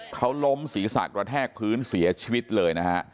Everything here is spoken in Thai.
เขาล้มศีรษะกระแทกพื้นเสียชีวิตเลยนะฮะ